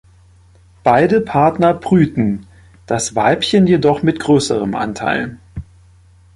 Beide Partner brüten, das Weibchen jedoch mit größerem Anteil.